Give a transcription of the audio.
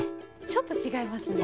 ちょっとちがいますね。